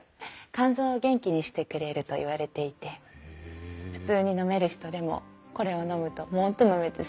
肝臓を元気にしてくれるといわれていて普通に飲める人でもこれを飲むともっと飲めてしまうと。